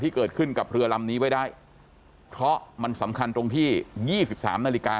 เกิดขึ้นกับเรือลำนี้ไว้ได้เพราะมันสำคัญตรงที่๒๓นาฬิกา